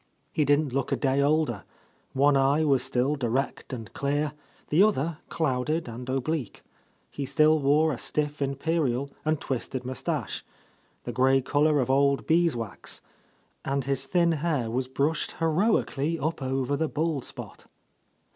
He didn't look a day older; one eye was still direct and clear, the other clouded and oblique. He still wore a stiff imperial and twisted moustache, the grey colour of old bees wax, and his thin hair was brushed heroically up over the bald spot.